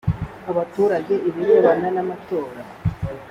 abaturage ibirebana n amatora